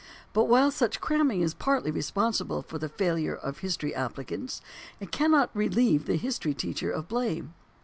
But while such cramming is partly responsible for the failure of history applicants, it cannot relieve the history teacher of blame.